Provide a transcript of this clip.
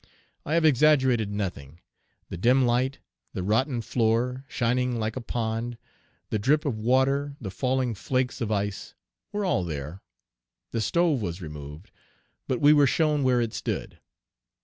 I have exaggerated nothing. The dim light, the rotten floor, shining like a pond, the drip of water, the falling flakes of ice, were all there. The stove was removed; but we were shown where it stood.